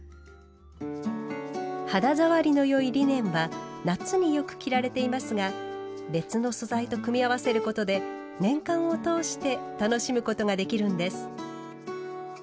肌触りの良いリネンは夏によく着られていますが別の素材と組み合わせることで年間を通して楽しむことができるんです。